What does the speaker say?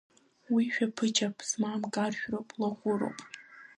Уи шәаԥыџьаԥ змам каршәроуп, лаҟәыроуп.